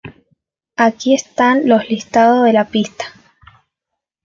Aquí están los listados de la pista.